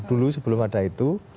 dulu sebelum ada itu